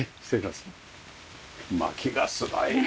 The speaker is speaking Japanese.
まきがすごいな！